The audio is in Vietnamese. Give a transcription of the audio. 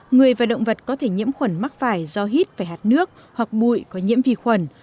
người và động vật có thể nhiễm khuẩn mắc phải do hít phải hạt nước hoặc bụi có nhiễm vi khuẩn